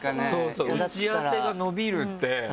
打ち合わせが延びるって。